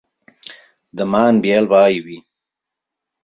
Demà en Biel va a Ibi.